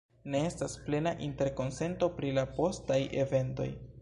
Ne estas plena interkonsento pri la postaj eventoj.